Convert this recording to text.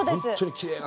きれいな。